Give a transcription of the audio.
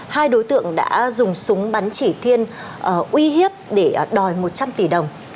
hai đối tượng đã dùng súng bắn chỉ thiên uy hiếp để đòi một trăm linh tỷ đồng